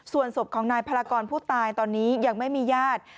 ส่วนศพของนายพลากรผู้ตายตอนนี้ยังไม่มีญาติ